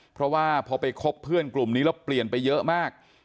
เพราะว่าพอไปคบเพื่อนกลุ่มนี้แล้วเปลี่ยนไปเยอะมาก